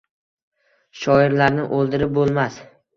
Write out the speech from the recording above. Shoirlarni oʻldirib boʻlmas –